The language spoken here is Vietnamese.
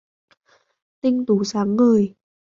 Tinh tú sáng ngời